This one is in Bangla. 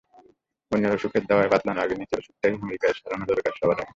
অন্যের অসুখের দাওয়াই বাতলানোর আগে নিজের অসুখটাই আমেরিকার সারানো দরকার সবার আগে।